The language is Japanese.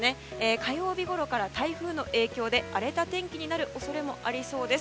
火曜日ごろから台風の影響で荒れた天気になる恐れもありそうです。